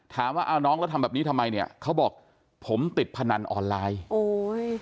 ถามว่าเอาน้องแล้วทำแบบนี้ทำไมเนี่ยเขาบอกผมติดพนันออนไลน์โอ้ย